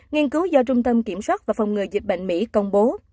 nghiên cứu do trung tâm kiểm soát và phòng ngừa dịch bệnh mỹ công bố